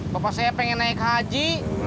bapak saya pengen naik haji